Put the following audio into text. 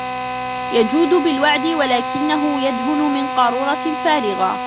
يَجُودُ بِالْوَعْدِ وَلَكِنَّهُ يَدْهُنُ مِنْ قَارُورَةٍ فَارِغَهْ